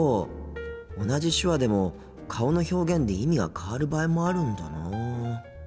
同じ手話でも顔の表現で意味が変わる場合もあるんだなあ。